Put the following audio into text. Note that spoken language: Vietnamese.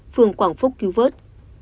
phường quảng phúc cứu vớt